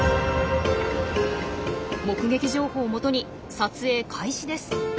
目撃情報をもとに撮影開始です。